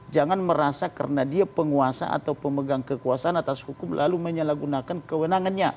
jangan merasa karena dia penguasa atau pemegang kekuasaan atas hukum lalu menyalahgunakan kewenangannya